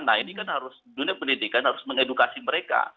nah ini kan harus dunia pendidikan harus mengedukasi mereka